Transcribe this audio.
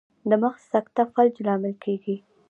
د مغز سکته فلج لامل کیږي